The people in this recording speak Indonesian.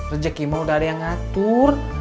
rejeki mah udah ada yang ngatur